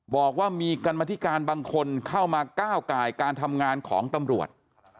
บอกว่ามีกรรมธิการบางคนเข้ามาก้าวไก่การทำงานของตำรวจ